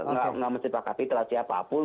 nggak mesti sepakat kapitra siapapun